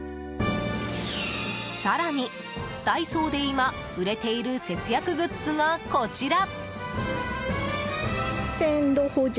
更に、ダイソーで今売れている節約グッズがこちら。